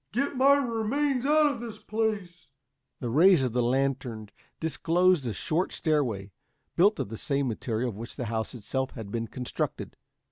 Get my remains out of this place." The rays of the lantern disclosed a short stairway, built of the same material of which the house itself had been constructed.